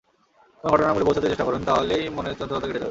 যেকোনো ঘটনার মূলে পৌঁছাতে চেষ্টা করুন, তাহলেই মনের চঞ্চলতা কেটে যাবে।